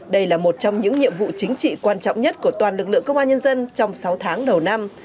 đây là một trong những nhiệm vụ chính trị quan trọng nhất của toàn lực lượng công an nhân dân trong sáu tháng đầu năm